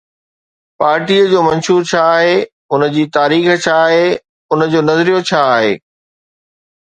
پارٽيءَ جو منشور ڇا آهي، ان جي تاريخ ڇا آهي، ان جو نظريو ڇا آهي؟